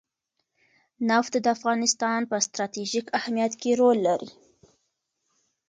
نفت د افغانستان په ستراتیژیک اهمیت کې رول لري.